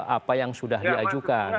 apa yang sudah diajukan